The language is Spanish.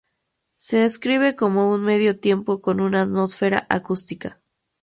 Se describe como un medio tiempo con una atmósfera acústica.